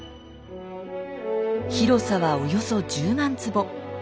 広さはおよそ１０万坪。